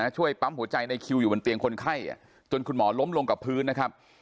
ช่วยปั๊มหัวใจในคิวอยู่บนเตียงคนไข้จนคุณหมอล้มลงกับพื้นนะครับ